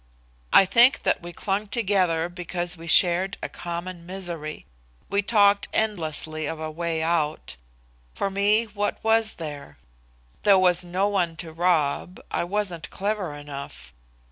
I think that we clung together because we shared a common misery. We talked endlessly of a way out. For me what was there? There was no one to rob I wasn't clever enough.